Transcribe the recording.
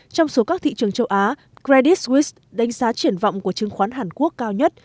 trong số các thị trường châu á credit swit đánh giá triển vọng của chứng khoán hàn quốc cao nhất